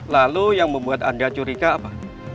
lalu yang membuat anda curiga apa